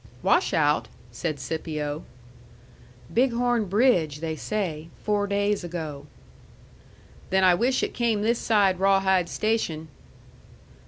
"Washout?" said Scipio. "Big Horn bridge, they say four days ago." "Then I wish it came this side Rawhide station."